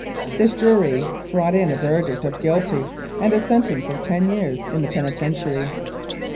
This jury brought in a verdict of guilty and a sentence of ten years in the penitentiary.